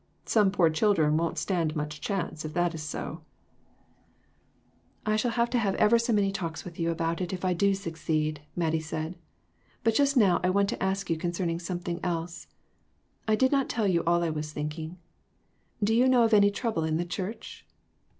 Some poor children won't stand much chance if that is so." 394 THREE OF US. " I shall have to have ever so many talks with you about it if I do succeed," Mattie said; "but just now I want to ask you concerning something else. I did not tell you all I was thinking. Do you know of any trouble in the church